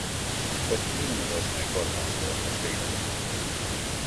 O estaleiro Nodosa engorda a súa carteira de pedidos.